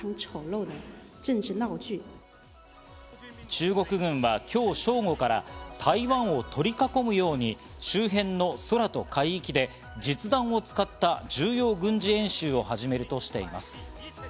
中国軍はきょう正午から台湾を取り囲むように周辺の空と海域で実弾を使った重要軍事演習を始めるとしています。